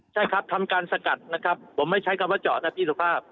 ใช่ครับทำการสกัดนะครับผมไม่ใช้คำว่าจอดนะพี่สุภาพ